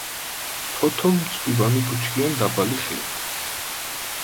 ფოთოლმცვივანი ბუჩქი ან დაბალი ხეა.